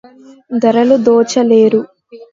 దొరలు దోచలేరు